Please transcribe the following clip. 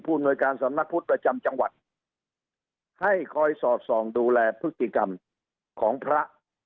อำนวยการสำนักพุทธประจำจังหวัดให้คอยสอดส่องดูแลพฤติกรรมของพระ